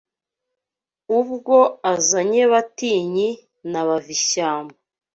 Ubwo azanye Batinyi* na Bavishyamba*